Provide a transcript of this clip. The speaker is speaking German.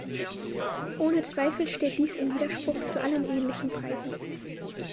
Ohne Zweifel steht dies im Widerspruch zu allen ähnlichen Preisen.